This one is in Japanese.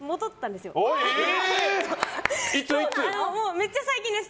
めっちゃ最近です。